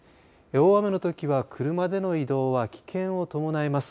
大雨のときは車での移動は危険を伴います。